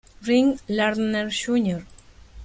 Ring Lardner Jr.